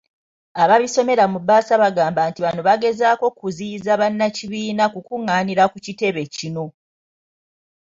Ababisomera mu bbaasa bagamba nti bano bagezaako kuziyiza bannakibiina kukung'aanira ku kitebe kino.